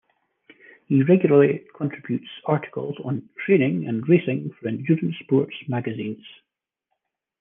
He regularly contributes articles on training and racing for endurance sports magazines.